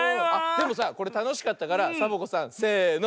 でもさこれたのしかったからサボ子さんせの。